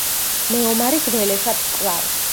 მეომარი გველეშაპს კლავს.